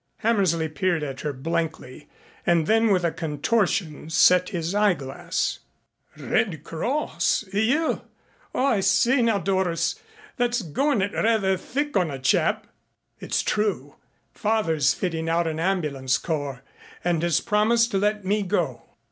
Hammersley peered at her blankly and then with a contortion set his eyeglass. "Red Cross you! Oh, I say now, Doris, that's goin' it rather thick on a chap " "It's true. Father's fitting out an ambulance corps and has promised to let me go."